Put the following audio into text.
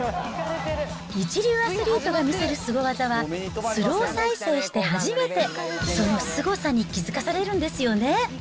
一流アスリートが見せるスゴ技は、スロー再生して初めて、そのすごさに気付かされるんですよね。